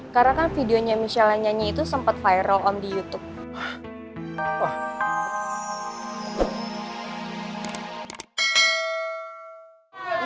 karena kan videonya michelle nyanyi itu sempet viral om di youtube